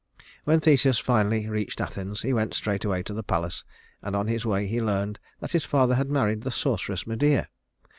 When Theseus finally reached Athens, he went straightway to the palace, and on his way he learned that his father had married the sorceress Medea.